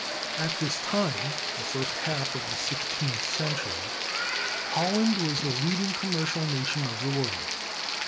At this time—the first half of the sixteenth century—Holland was the leading commercial nation of the world.